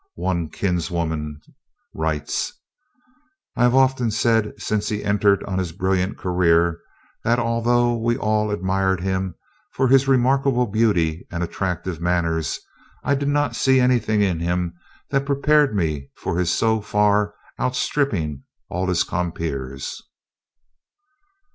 One kinswoman writes: "I have often said since he entered on his brilliant career that, although we all admired him for his remarkable beauty and attractive manners, I did not see anything in him that prepared me for his so far outstripping all his compeers."